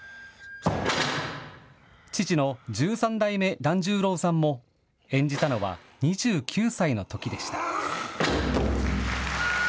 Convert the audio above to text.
父の十三代目團十郎さんも演じたのは２９歳のときでした。